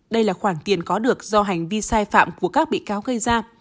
đây là khoản tiền có được do hành vi sai phạm của các bị cáo gây ra